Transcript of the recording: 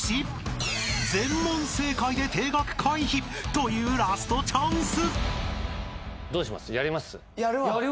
［というラストチャンス］